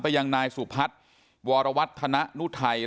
ประยังนายสุพัทธิ์วรวัตนุทัย